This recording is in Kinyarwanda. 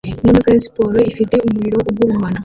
Imodoka ya siporo ifite umuriro ugurumana